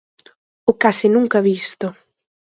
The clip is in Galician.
O case nunca visto.